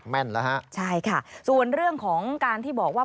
แม่นแล้วฮะใช่ค่ะส่วนเรื่องของการที่บอกว่า